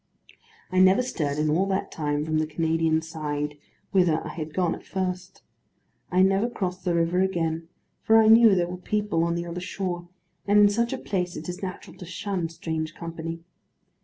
I never stirred in all that time from the Canadian side, whither I had gone at first. I never crossed the river again; for I knew there were people on the other shore, and in such a place it is natural to shun strange company.